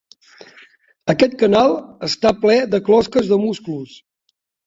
Aquest canal està ple de closques de musclos.